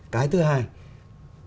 cái thứ hai là